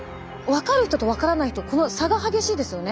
分かる人と分からない人この差が激しいですよね。